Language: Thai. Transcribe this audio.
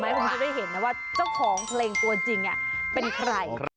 แล้วก็เข้าใจแล้วว่านกมันร้องแบบนี้